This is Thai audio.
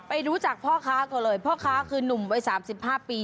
ไปรู้จักพ่อค้าก่อนเลยพ่อค้าคือนุ่มวัยสามสิบห้าปี